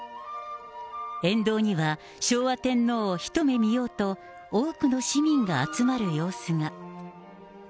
沿道には、昭和天皇を一目見ようと、多くの市民が集まる様子が。